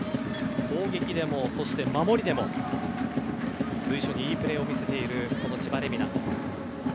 攻撃でも、そして守りでも随所にいいプレーを見せている千葉玲海菜。